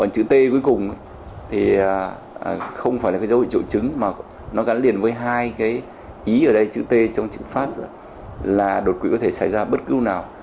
chữ t cuối cùng thì không phải là cái dấu hiệu triệu chứng mà nó gắn liền với hai cái ý ở đây chữ t trong chữ phát là đột quỵ có thể xảy ra bất cứ nào